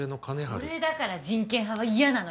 これだから人権派は嫌なのよ。